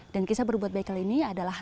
dan kisah berbuat baik kali ini adalah